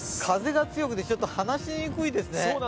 風が強くて、ちょっと話しにくいですね。